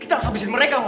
kita harus abisin mereka